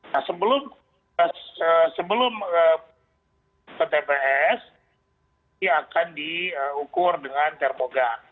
nah sebelum ke tps ini akan diukur dengan termogan